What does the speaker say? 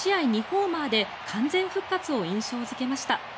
２ホーマーで完全復活を印象付けました。